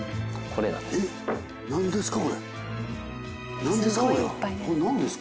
これ何ですか？